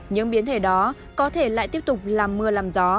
những biến thể đó có thể lại tiếp tục làm mưa làm gió